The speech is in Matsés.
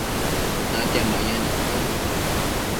natia mayan iccondash